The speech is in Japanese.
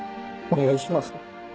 お願いします。